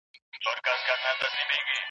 لیکل تر اورېدلو د املا په زده کړه کې اغېز لري.